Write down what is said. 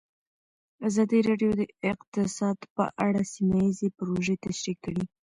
ازادي راډیو د اقتصاد په اړه سیمه ییزې پروژې تشریح کړې.